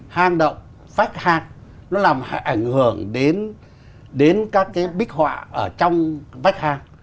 hang động vách hạc nó làm ảnh hưởng đến các cái bích hỏa ở trong vách hạc